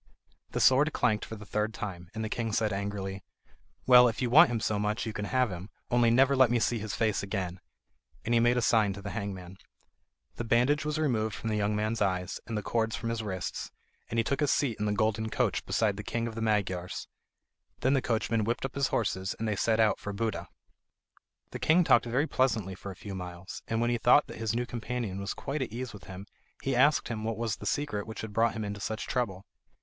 The sword clanked for the third time, and the king said angrily: "Well, if you want him so much you can have him; only never let me see his face again." And he made a sign to the hangman. The bandage was removed from the young man's eyes, and the cords from his wrists, and he took his seat in the golden coach beside the king of the Magyars. Then the coachman whipped up his horses, and they set out for Buda. The king talked very pleasantly for a few miles, and when he thought that his new companion was quite at ease with him, he asked him what was the secret which had brought him into such trouble.